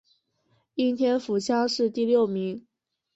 应天府乡试第六名。